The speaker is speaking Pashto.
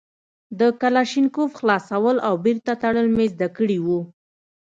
د کلاشينکوف خلاصول او بېرته تړل مې زده کړي وو.